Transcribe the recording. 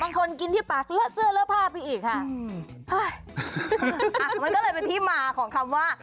บางคนกินที่ปากเลอะเสื้อเลอะผ้าพี่อีกค่ะมันก็เลยเป็นที่มาของคำว่า